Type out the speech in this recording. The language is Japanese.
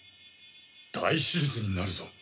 大手術になるぞ。